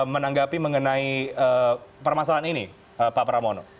menanggapi mengenai permasalahan ini pak pramono